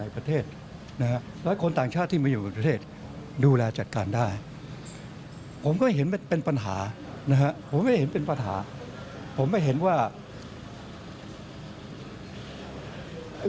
นี่พอได้มีการเราขยับไหมพอต้องมาสังเกตการ